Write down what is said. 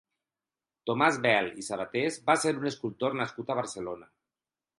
Tomàs Bel i Sabatés va ser un escultor nascut a Barcelona.